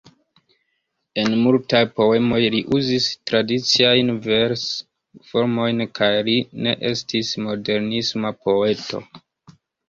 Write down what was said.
En multaj poemoj li uzis tradiciajn vers-formojn kaj li ne estis modernisma poeto.